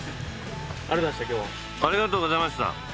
ありがとうございました今日は。